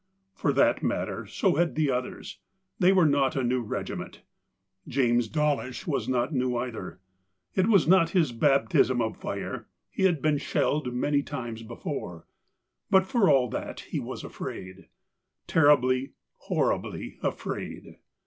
For that matter so had the others — they were not a new regiment. James Dawlish was not new either. It was not his baptism of fire — he'd been shelled many times before ; but for all that he was afraid — terribly, horribly afraid.